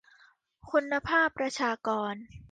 คุณภาพประชากร